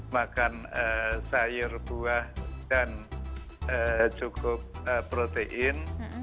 makan sayur buah dan cukup protein